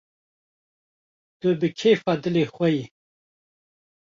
- Tu bi kêfa dilê xwe yî…